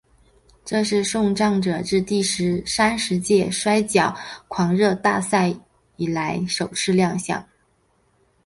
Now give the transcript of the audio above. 这是送葬者自第三十届摔角狂热大赛以来首次亮相。